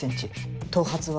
頭髪は。